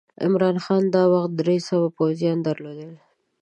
عمرا خان دا وخت درې سوه پوځیان درلودل.